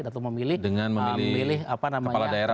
atau memilih kepala daerah